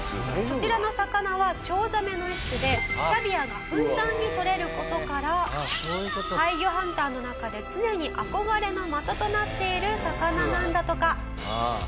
こちらの魚はチョウザメの一種でキャビアがふんだんにとれる事から怪魚ハンターの中で常に憧れの的となっている魚なんだとか。